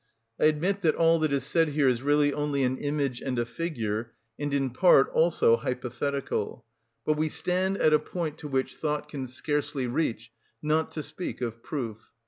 I admit that all that is said here is really only an image and a figure, and in part also hypothetical; but we stand at a point to which thought can scarcely reach, not to speak of proof.